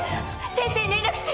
先生に連絡して！